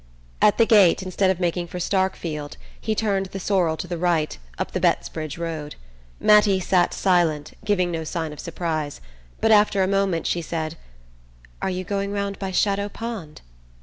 At the gate, instead of making for Starkfield, he turned the sorrel to the right, up the Bettsbridge road. Mattie sat silent, giving no sign of surprise; but after a moment she said: "Are you going round by Shadow Pond?"